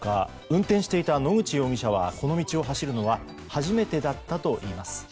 運転していた野口容疑者はこの道を走るのは初めてだったといいます。